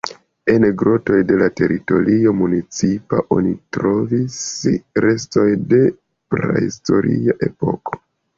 En grotoj de la teritorio municipa oni trovis restojn de prahistoria epoko.